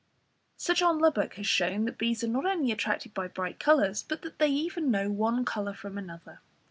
Sir John Lubbock has shown that bees are not only attracted by bright colours, but that they even know one colour from another.